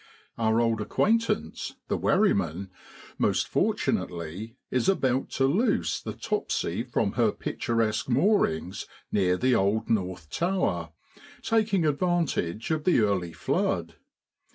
Our old acquaintance, the wherryman, most fortunately, is about to loose the lopsy from her picturesque moorings near the old North Tower, taking advantage of the early flood.